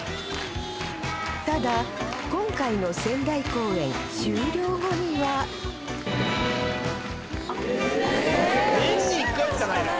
ただ今回の仙台公演終了後には年に１回しかないの？